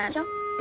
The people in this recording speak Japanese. え？